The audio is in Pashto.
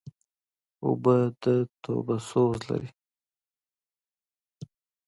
اوبه د توبه سوز لري.